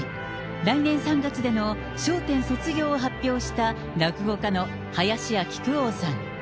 来年３月での笑点卒業を発表した落語家の林家木久扇さん。